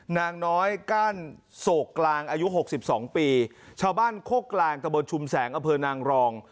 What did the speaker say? นางน้อยกั้นโศกกลางอายุหกสิบสองปีชาวบ้านโคกกลางตะบนชุมแสงอเภอนางรอง